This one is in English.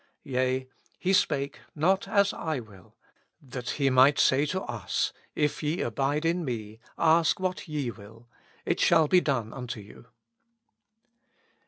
Yea, He spake, " Not as I will,''' that He might say to us, If ye abide in me ask what ye will ; it shall be done unto you."